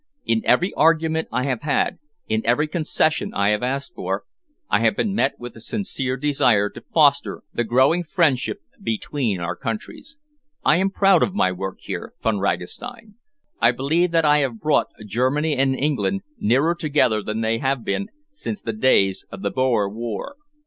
In every argument I have had, in every concession I have asked for, I have been met with a sincere desire to foster the growing friendship between our countries. I am proud of my work here, Von Ragastein. I believe that I have brought Germany and England nearer together than they have been since the days of the Boer War."